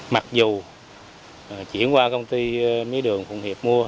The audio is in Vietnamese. mặc dù chuyển qua công ty mía đường phụng hiệp mua